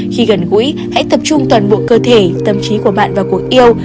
khi gần gũi hãy tập trung toàn bộ cơ thể tâm trí của bạn vào cuộc yêu